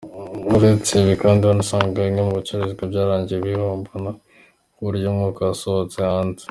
Uretse ibi kandi wanasangaga bimwe mu bicuruzwa byaragiye bihombana ku buryo umwuka wasohotse hanze.